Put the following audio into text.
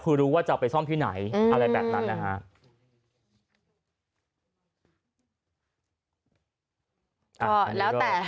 คือรู้ว่าจะไปซ่อมที่ไหนอะไรแบบนั้นนะฮะ